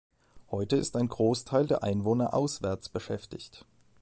Heute ist ein Großteil der Einwohner auswärts beschäftigt.